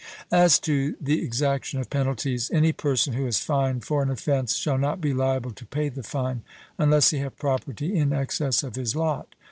As to the exaction of penalties, any person who is fined for an offence shall not be liable to pay the fine, unless he have property in excess of his lot.